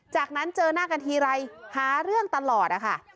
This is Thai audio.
จากนั้นเจอหน้ากันทีไรหาเรื่องตลอดนะคะ